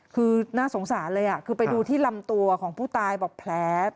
คือน่าสงสารเลยคือไปดูที่ลำตัวของผู้ตายบอกแผล